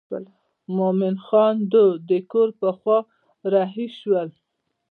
مومن خان دوی د کور پر خوا رهي شول.